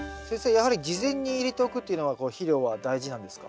やはり事前に入れておくっていうのは肥料は大事なんですか？